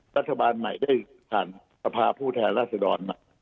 รัฐบาลไหนได้การพาผู้แทนราชดรมา